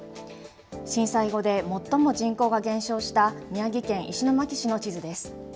震災後で最も人口が減少した宮城県石巻市の地図です。